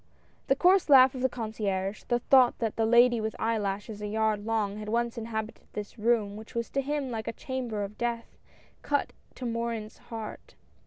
The coarse laugh of the concierge — the thought that the lady with eyelashes a yard long, had once inhabited this room, which was to him like a chamber of death, cut to Morin's heart.